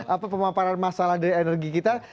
apa pemamparan masalah dari energi kita